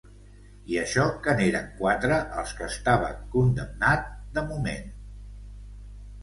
I això que n’eren quatre als que estava condemnat, de moment.